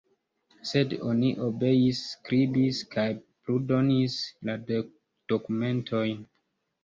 Sed oni obeis, skribis kaj pludonis la dokumentojn.